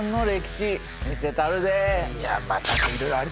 いやまあ